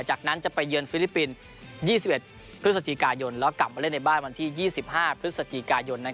จากนั้นจะไปเยือนฟิลิปปินส์๒๑พฤศจิกายนแล้วกลับมาเล่นในบ้านวันที่๒๕พฤศจิกายน